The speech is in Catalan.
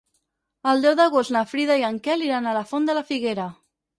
El deu d'agost na Frida i en Quel iran a la Font de la Figuera.